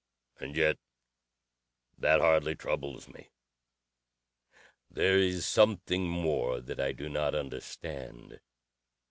"And yet that hardly troubles me. There is something more that I do not understand.